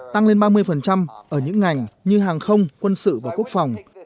tăng lên ba mươi ở những ngành như hàng không quân sự và quốc phòng